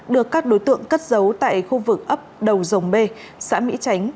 được các đối tượng cất giấu tại khu vực ấp đầu dòng b xã mỹ chánh